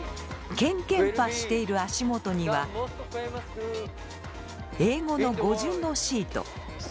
ケンケンパしている足元には英語の語順のシート。